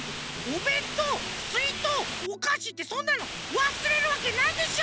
おべんとうすいとうおかしってそんなのわすれるわけないでしょ！